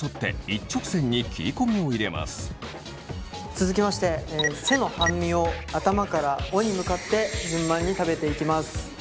続きまして背の半身を頭から尾に向かって順番に食べていきます。